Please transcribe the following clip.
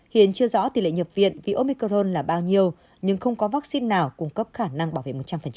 hiện chưa rõ tỷ lệ nhập viện vì omicrone là bao nhiêu nhưng không có vaccine nào cung cấp khả năng bảo vệ một trăm linh